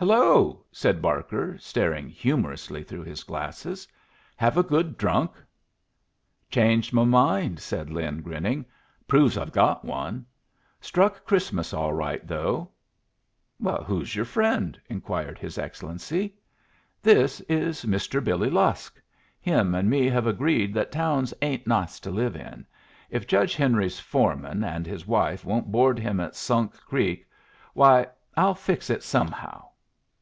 "Hello!" said Barker, staring humorously through his glasses. "Have a good drunk?" "Changed my mind," said Lin, grinning. "Proves I've got one. Struck Christmas all right, though." "Who's your friend?" inquired his Excellency. "This is Mister Billy Lusk. Him and me have agreed that towns ain't nice to live in. If Judge Henry's foreman and his wife won't board him at Sunk Creek why, I'll fix it somehow."